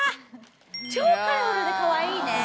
超カラフルでかわいいね。